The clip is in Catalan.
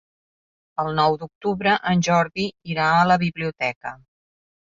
El nou d'octubre en Jordi irà a la biblioteca.